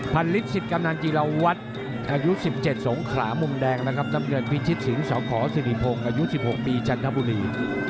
ลิศสิทธิ์กำนันจิลาวัตรอายุ๑๗สงขลามุมแดงนะครับน้ำเงินพิชิตสิงสขสิริพงศ์อายุ๑๖ปีจันทบุรี